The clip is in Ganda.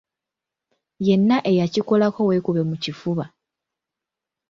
Yenna eyakikolako weekube mu kifuba.